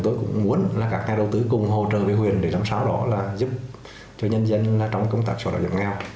tôi cũng muốn là các nhà đầu tư cùng hỗ trợ với huyện để làm sao đó là giúp cho nhân dân trong công tác sở đạo dập nghèo